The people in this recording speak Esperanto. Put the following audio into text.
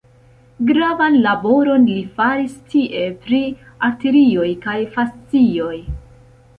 Gravan laboron li faris tie pri arterioj kaj fascioj.